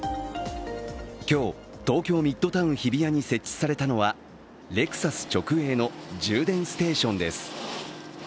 今日、東京ミッドタウン日比谷に設置されたのは、レクサス直営の充電ステーションです。